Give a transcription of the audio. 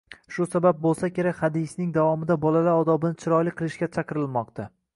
Shu sabab bo‘lsa kerak, hadisning davomida bolalar odobini chiroyli qilishga chaqirilmoqda